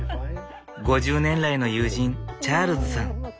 ５０年来の友人チャールズさん。